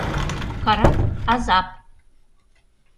Карап — азап.